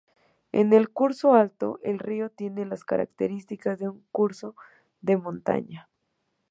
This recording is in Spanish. En el curso alto, el río tiene las características de un curso de montaña.